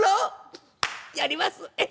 やります！